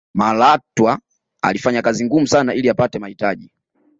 malatwa alifanya kazi ngumu sana ili apate mahitaji